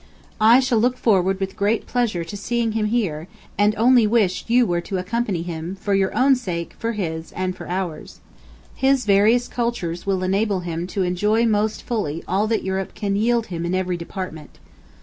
... I shall look forward with great pleasure to seeing him here, and only wish you were to accompany him, for your own sake, for his, and for ours. His various culture will enable him to enjoy most fully all that Europe can yield him in every department.